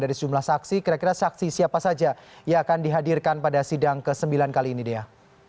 dari sejumlah saksi kira kira saksi siapa saja yang akan dihadirkan pada sidang ke sembilan kali ini dea